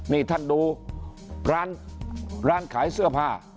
นี่ท่านดูร้านร้านขายเสื้อผ้า